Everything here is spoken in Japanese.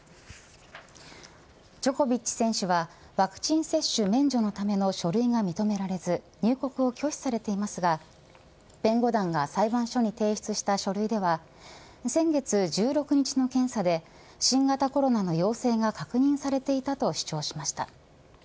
ジョコビッチ選手はワクチン接種免除のための書類が認められず入国を拒否されていますが弁護団が裁判所に提出した書類では先月１６日の検査で新型コロナの陽性が確認されていたと主張しました。